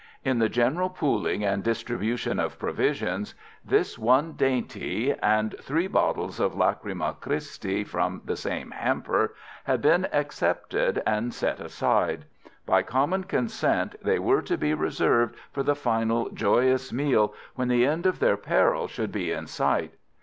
In the general pooling and distribution of provisions this one dainty and three bottles of Lachryma Christi from the same hamper had been excepted and set aside. By common consent they were to be reserved for the final joyous meal when the end of their peril should be in sight.